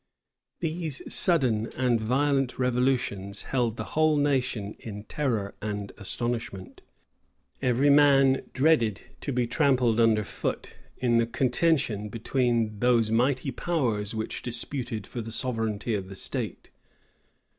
These sudden and violent revolutions held the whole nation in terror and astonishment. Every man dreaded to be trampled under foot, in the contention between those mighty powers which disputed for the sovereignty of the state.